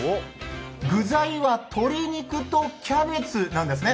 具材は鶏肉とキャベツなんですね。